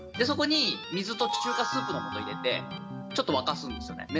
そこに水と中華スープのもと入れて、ちょっと沸かすんですよね。